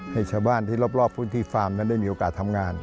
ให้ชาวบ้านที่รอบพื้นที่ฟาร์มนั้นได้มีโอกาสทำงาน